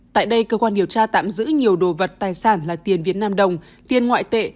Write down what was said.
tại đây cơ quan điều tra tạm giữ nhiều đồ vật tài sản là tiền việt nam đồng tiền ngoại tệ